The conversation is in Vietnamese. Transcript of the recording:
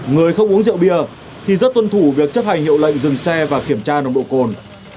người không uống rượu bia thì rất tuân thủ việc chấp hành hiệu lệnh dừng xe và kiểm tra nồng độ cồn